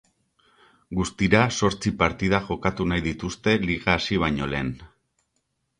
Guztira zortzi partida jokatu nahi dituzte liga hasi baino lehen.